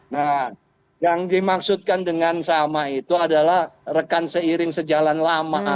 nah yang dimaksudkan dengan sama itu adalah rekan seiring sejalan lama